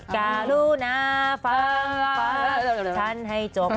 การุนาฟ้าฉันให้จบ